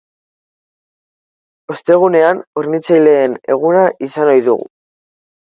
Ostegunean, hornitzaileen eguna izan ohi dugu.